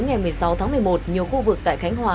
ngày một mươi sáu tháng một mươi một nhiều khu vực tại khánh hòa